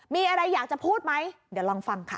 มีอะไรอยากจะพูดไหมเดี๋ยวลองฟังค่ะ